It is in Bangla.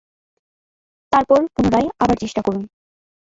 তারপর পুনরায় আবার চেষ্টা করুন।